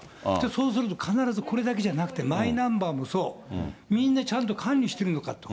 そうすると、必ずこれだけじゃなくて、マイナンバーもそう、みんなちゃんと管理してるのかと。